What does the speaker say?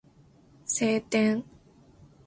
晴天